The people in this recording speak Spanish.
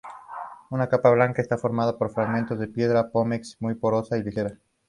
La capa blanca está formada por fragmentos de piedra pómez, muy porosa y ligera.